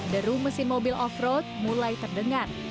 deru mesin mobil off road mulai terdengar